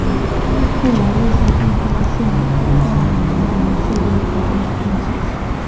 后来勒夏特列发现爆炸缘于设备之中的空气。